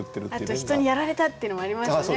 あと人に「やられた！」っていうのもありますよね。